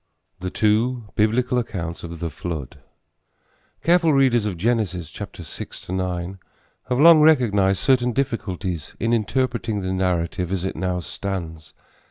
THE TWO BIBLICAL ACCOUNTS OF THE FLOOD. Careful readers of Genesis 6 9 have long recognized certain difficulties in interpreting the narrative as it now stands.